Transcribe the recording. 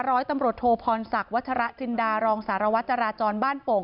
ร้อยตำรวจโทพรศักดิ์วัชระจินดารองสารวัตรจราจรบ้านโป่ง